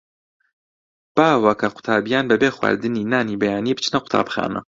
باوە کە کە قوتابییان بەبێ خواردنی نانی بەیانی بچنە قوتابخانە.